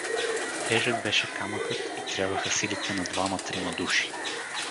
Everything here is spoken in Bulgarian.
Тежък беше камъкът и трябваха силите на двама-трима души.